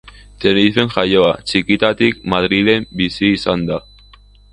Tenerifen jaioa, txikitatik Madrilen bizi izan da.